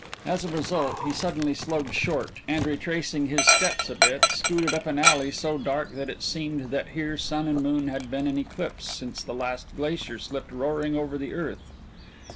As a result he suddenly slowed short, and retracing his steps a bit scooted up an alley so dark that it seemed that here sun and moon had been in eclipse since the last glacier slipped roaring over the earth.